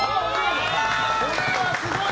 これはすごい！